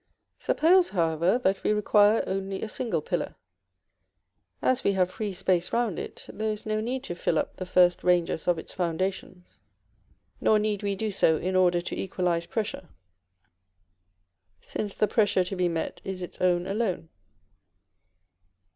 Suppose, however, that we require only a single pillar: as we have free space round it, there is no need to fill up the first ranges of its foundations; nor need we do so in order to equalise pressure, since the pressure to be met is its own alone.